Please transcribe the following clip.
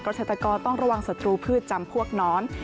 เกาะเศรษฐกรต้องระวังสตรูพืชจำพวกน้อน